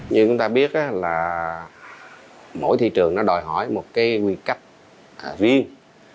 như chúng ta biết là mỗi thị trường nó đòi hỏi một cái nguyên cách riêng